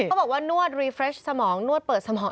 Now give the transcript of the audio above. บอกว่านวดรีเฟรชสมองนวดเปิดสมอง